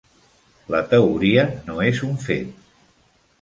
La teoria no és un fet.